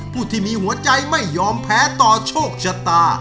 ผู้ที่มีหัวใจไม่ยอมแพ้ต่อโชคชะตา